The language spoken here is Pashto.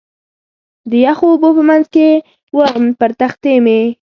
د یخو اوبو په منځ کې ووم، پر تختې مې.